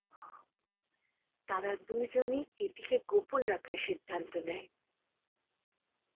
তারা দু'জনেই এটিকে গোপন রাখার সিদ্ধান্ত নেয়।